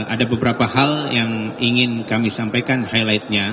ada beberapa hal yang ingin kami sampaikan highlightnya